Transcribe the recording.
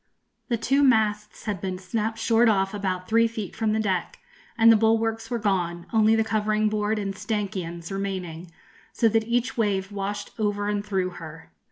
The two masts had been snapped short off about three feet from the deck, and the bulwarks were gone, only the covering board and stanchions remaining, so that each wave washed over and through her.